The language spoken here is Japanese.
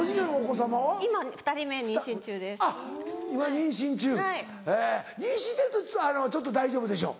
妊娠してるとちょっと大丈夫でしょ？